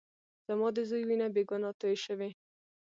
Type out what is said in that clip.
زما د زوى وينه بې ګناه تويې شوې.